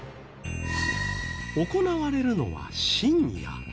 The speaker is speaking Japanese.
行われるのは深夜。